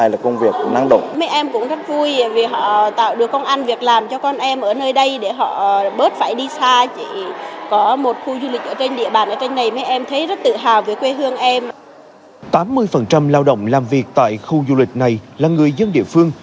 tám mươi lao động làm việc tại khu du lịch này là người dân địa phương